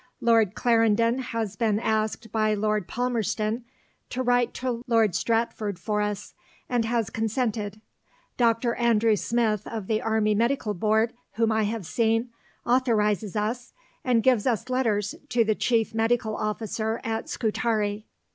Lord Clarendon has been asked by Lord Palmerston to write to Lord Stratford for us, and has consented. Dr. Andrew Smith of the Army Medical Board, whom I have seen, authorizes us, and gives us letters to the Chief Medical Officer at Scutari.